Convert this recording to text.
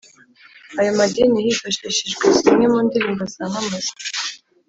ayo madini, hifashishijwe zimwe mu ndirimbo zamamaza